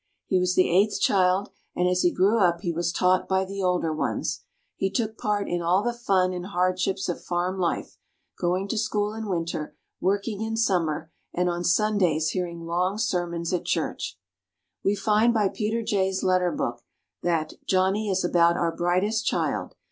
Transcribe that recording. He was the eighth child, and as he grew up he was taught by the older ones. He took part in all the fun and hardships of farm life going to school in Winter, working in Summer, and on Sundays hearing long sermons at church. We find by Peter Jay's letter book that: "Johnny is about our brightest child.